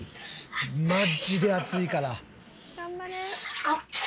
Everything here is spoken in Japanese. マジで熱いから。